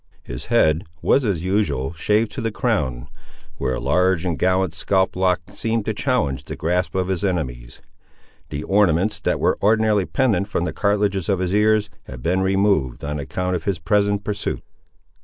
His head was as usual shaved to the crown, where a large and gallant scalp lock seemed to challenge the grasp of his enemies. The ornaments that were ordinarily pendant from the cartilages of his ears had been removed, on account of his present pursuit.